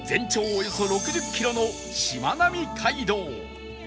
およそ６０キロのしまなみ海道